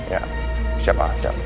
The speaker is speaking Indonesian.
ya siap ah siap